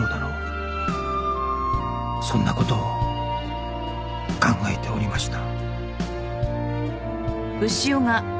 そんな事を考えておりました